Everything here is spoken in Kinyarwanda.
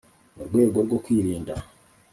mu rwego rwo kwirinda